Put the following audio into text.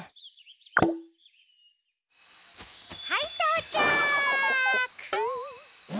はいとうちゃく！